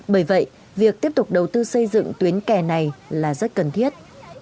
bởi vậy việc tiếp tục đầu tư xây dựng tuyến kè này là rất cần thiết